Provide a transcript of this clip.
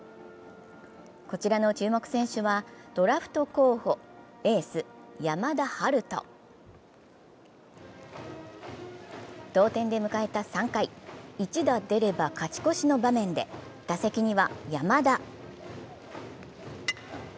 こちらの注目選手は、ドラフト候補エース・山田陽翔。同点で迎えた３回、一打出れば勝ち越しの場面で打席には山田。